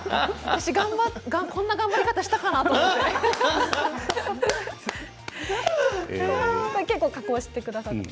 私、こんな頑張り方したかなと思って。